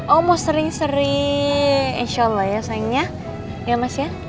oh mau sharing sharing insya allah ya sayangnya ya mas ya